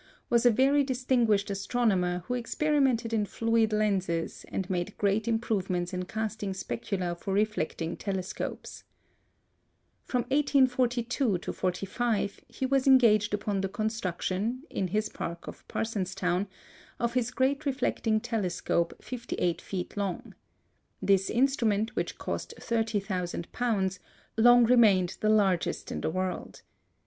was a very distinguished astronomer who experimented in fluid lenses and made great improvements in casting specula for reflecting telescopes. From 1842 45 he was engaged upon the construction, in his park at Parsonstown, of his great reflecting telescope 58 feet long. This instrument, which cost £30,000, long remained the largest in the world.